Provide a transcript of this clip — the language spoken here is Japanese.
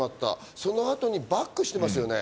そのあとにバックしてますよね。